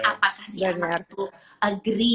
apakah si anak itu setuju